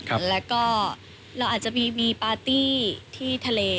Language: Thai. แล้วก็เราอาจจะมีปาร์ตี้ที่ทะเล